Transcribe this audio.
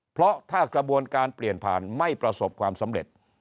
เพราะถ้ากระบวนการเปลี่ยนผ่านไม่ประสบความสำเร็จ